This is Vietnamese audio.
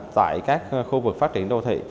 tại các khu vực phát triển đô thị